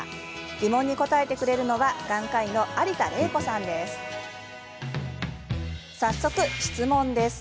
疑問に答えてくれるのは眼科医の有田玲子さんです。